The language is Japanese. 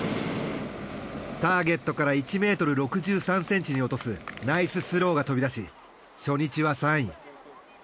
ターゲットから１ｍ６３ｃｍに落とすナイススローが飛び出し初日は３位。